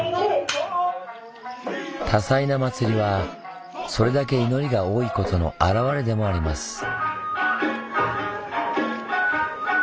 多彩な祭りはそれだけ祈りが多いことの表れでもあります。